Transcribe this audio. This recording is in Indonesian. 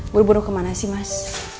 buru buru kemana sih mas